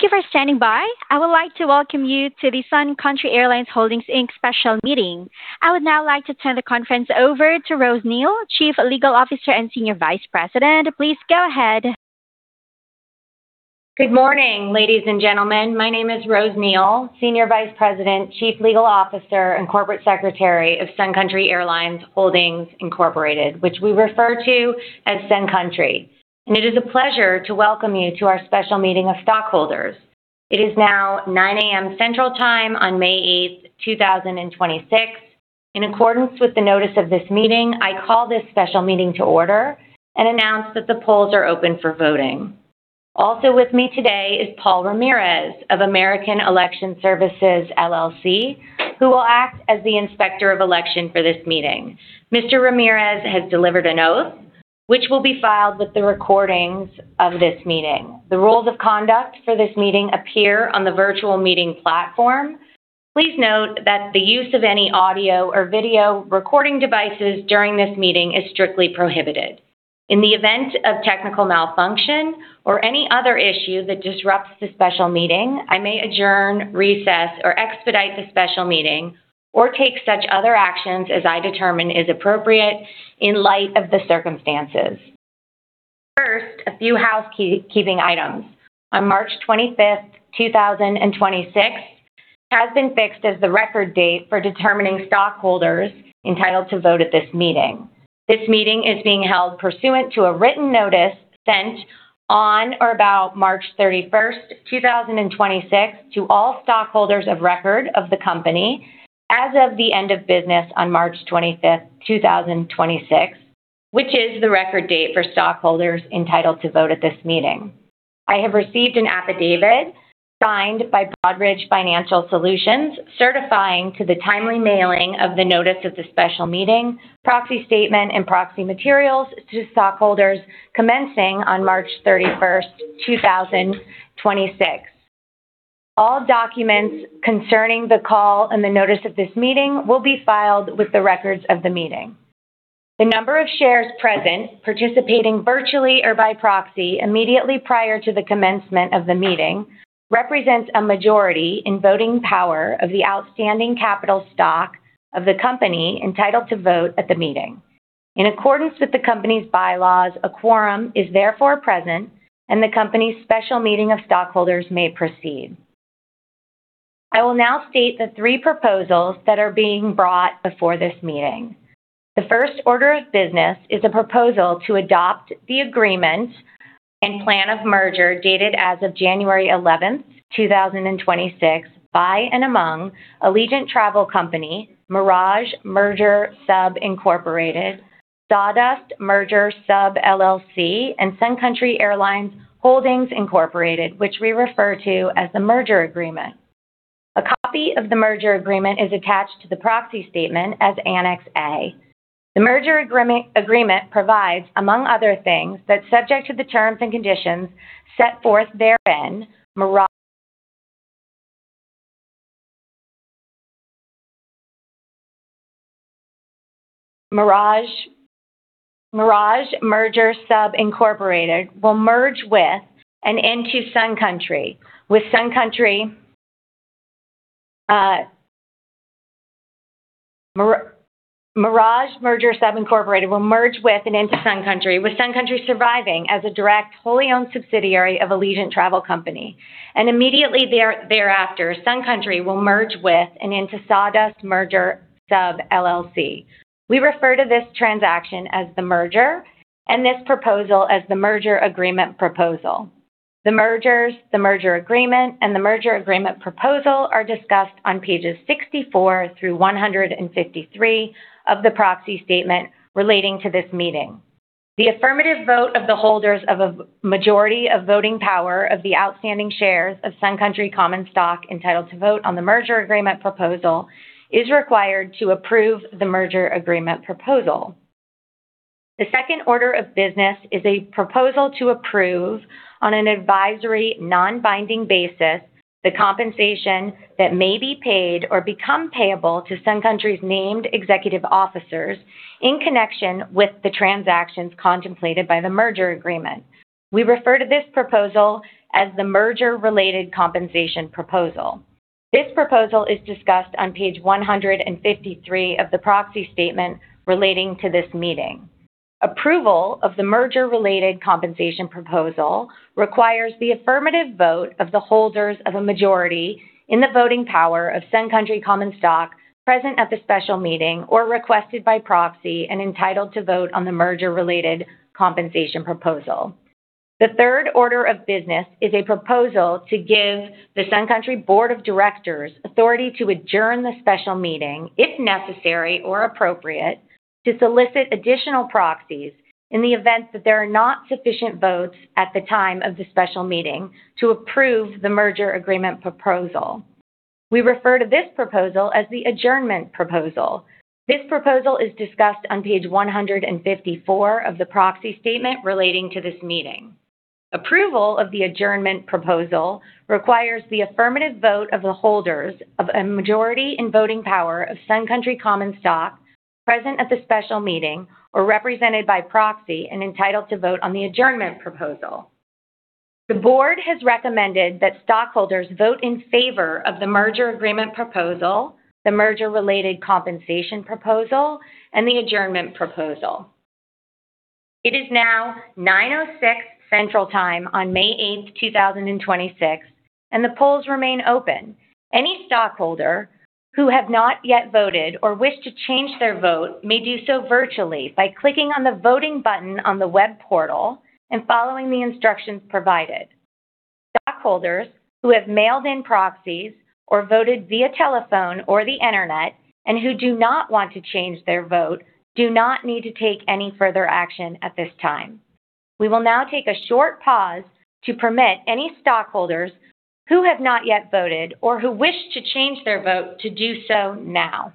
Thank you for standing by. I would like to welcome you to the Sun Country Airlines Holdings, Inc. special meeting. I would now like to turn the conference over to Rose Neale, Chief Legal Officer and Senior Vice President. Please go ahead. Good morning, ladies and gentlemen. My name is Rose Neale, Senior Vice President, Chief Legal Officer, and Corporate Secretary of Sun Country Airlines Holdings, Incorporated, which we refer to as Sun Country. It is a pleasure to welcome you to our special meeting of stockholders. It is now 9:00 A.M. Central Time on May 8th, 2026. In accordance with the notice of this meeting, I call this special meeting to order and announce that the polls are open for voting. Also with me today is Paul Ramirez of American Election Services, LLC, who will act as the Inspector of Election for this meeting. Mr. Ramirez has delivered an oath, which will be filed with the recordings of this meeting. The rules of conduct for this meeting appear on the virtual meeting platform. Please note that the use of any audio or video recording devices during this meeting is strictly prohibited. In the event of technical malfunction or any other issue that disrupts the special meeting, I may adjourn, recess, or expedite the special meeting or take such other actions as I determine is appropriate in light of the circumstances. First, a few housekeeping items. On March 25th, 2026, has been fixed as the record date for determining stockholders entitled to vote at this meeting. This meeting is being held pursuant to a written notice sent on or about March 31st, 2026 to all stockholders of record of the company as of the end of business on March 25th, 2026, which is the record date for stockholders entitled to vote at this meeting. I have received an affidavit signed by Broadridge Financial Solutions, certifying to the timely mailing of the notice of the special meeting, proxy statement, and proxy materials to stockholders commencing on March 31st, 2026. All documents concerning the call and the notice of this meeting will be filed with the records of the meeting. The number of shares present, participating virtually or by proxy immediately prior to the commencement of the meeting, represents a majority in voting power of the outstanding capital stock of the company entitled to vote at the meeting. In accordance with the company's bylaws, a quorum is therefore present, and the company's special meeting of stockholders may proceed. I will now state the three proposals that are being brought before this meeting. The first order of business is a proposal to adopt the agreement and plan of merger dated as of January 11th, 2026 by and among Allegiant Travel Company, Mirage Merger Sub Incorporated, Sawdust Merger Sub LLC, and Sun Country Airlines Holdings Incorporated, which we refer to as the Merger Agreement. A copy of the Merger Agreement is attached to the proxy statement as Annex A. The Merger Agreement provides, among other things, that subject to the terms and conditions set forth therein, Mirage Merger Sub Incorporated will merge with and into Sun Country, with Sun Country surviving as a direct, wholly-owned subsidiary of Allegiant Travel Company. Immediately thereafter, Sun Country will merge with and into Sawdust Merger Sub LLC. We refer to this transaction as the Merger and this proposal as the Merger Agreement Proposal. The Mergers, the Merger Agreement, and the Merger Agreement Proposal are discussed on pages 64 through 153 of the proxy statement relating to this meeting. The affirmative vote of the holders of a majority of voting power of the outstanding shares of Sun Country common stock entitled to vote on the Merger Agreement Proposal is required to approve the Merger Agreement Proposal. The second order of business is a proposal to approve on an advisory, non-binding basis the compensation that may be paid or become payable to Sun Country's named executive officers in connection with the transactions contemplated by the Merger Agreement. We refer to this proposal as the Merger-Related Compensation Proposal. This proposal is discussed on page 153 of the proxy statement relating to this meeting. Approval of the Merger-Related Compensation Proposal requires the affirmative vote of the holders of a majority in the voting power of Sun Country common stock present at the special meeting or requested by proxy and entitled to vote on the Merger-Related Compensation Proposal. The third order of business is a proposal to give the Sun Country Board of Directors authority to adjourn the special meeting, if necessary or appropriate, to solicit additional proxies in the event that there are not sufficient votes at the time of the special meeting to approve the Merger Agreement Proposal. We refer to this proposal as the Adjournment Proposal. This proposal is discussed on page 154 of the proxy statement relating to this meeting. Approval of the Adjournment Proposal requires the affirmative vote of the holders of a majority in voting power of Sun Country common stock present at the special meeting or represented by proxy and entitled to vote on the Adjournment Proposal. The board has recommended that stockholders vote in favor of the Merger Agreement Proposal, the Merger-Related Compensation Proposal, and the Adjournment Proposal. It is now 9:06 AM Central Time on May 8th, 2026, and the polls remain open. Any stockholder who have not yet voted or wish to change their vote may do so virtually by clicking on the voting button on the web portal and following the instructions provided. Stockholders who have mailed in proxies or voted via telephone or the Internet and who do not want to change their vote do not need to take any further action at this time. We will now take a short pause to permit any stockholders who have not yet voted or who wish to change their vote to do so now.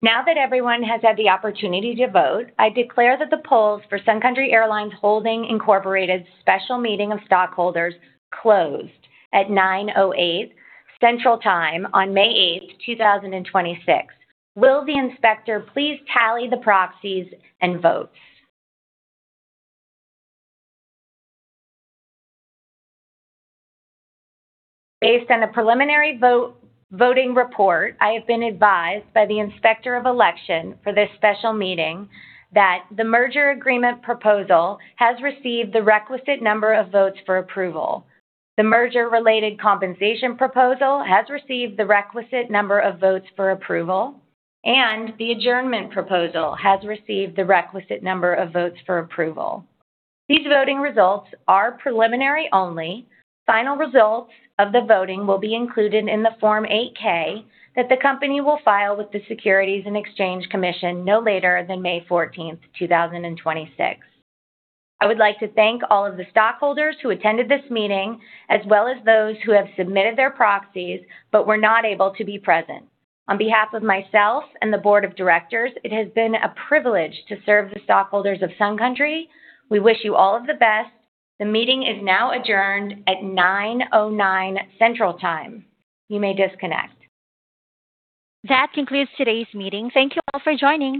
Now that everyone has had the opportunity to vote, I declare that the polls for Sun Country Airlines Holdings, Inc. special meeting of stockholders closed at 9:08 AM Central Time on May 8th, 2026. Will the Inspector please tally the proxies and votes? Based on a preliminary vote, voting report, I have been advised by the Inspector of Election for this special meeting that the Merger Agreement Proposal has received the requisite number of votes for approval. The Merger-Related Compensation Proposal has received the requisite number of votes for approval, and the Adjournment Proposal has received the requisite number of votes for approval. These voting results are preliminary only. Final results of the voting will be included in the Form 8-K that the company will file with the Securities and Exchange Commission no later than May 14th, 2026. I would like to thank all of the stockholders who attended this meeting, as well as those who have submitted their proxies but were not able to be present. On behalf of myself and the board of directors, it has been a privilege to serve the stockholders of Sun Country. We wish you all of the best. The meeting is now adjourned at 9:09 AM Central Time. You may disconnect. That concludes today's meeting. Thank you all for joining.